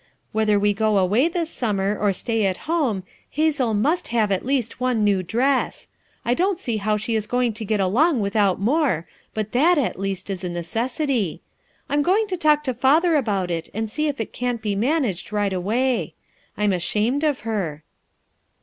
Whether we go away this summer or stay at home, Hazel must have at least one new dress ; I don't see how she is going to get along with out more, but that, at least, is a necessity; I'm going to talk to Father about it and see if it can't be managed right away. I'm ashamed of her."